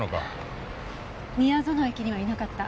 宮園駅にはいなかった。